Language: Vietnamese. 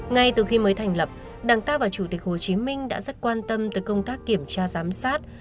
ngay từ khi mới thành lập đảng ta và chủ tịch hồ chí minh đã rất quan tâm tới công tác kiểm tra giám sát